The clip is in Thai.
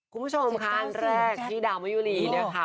คุณผู้ชมค่ะอันแรกที่ดาวมะยุรีเนี่ยค่ะ